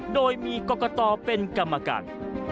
โดยมีกรกตเป็นกรรมการ